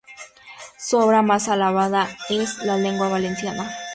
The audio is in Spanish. Su obra más alabada es "La llengua valenciana.